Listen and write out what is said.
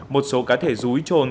một số cá thể rúi trồn